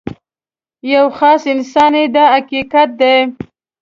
یو خاص انسان یې دا حقیقت دی.